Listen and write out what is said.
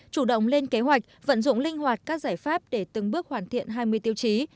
chủ động lên kế hoạch vận dụng linh hoạt các giải pháp để từng bước hoàn thiện hai mươi tiêu chí